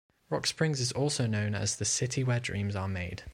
Rock Springs is also known as the "City Where Dreams are Made".